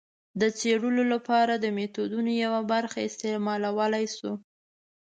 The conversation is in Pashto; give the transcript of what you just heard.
د څېړلو لپاره د میتودونو یوه برخه استعمالولای شو.